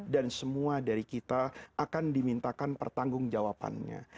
dan semua dari kita akan dimintakan pertanggung jawabannya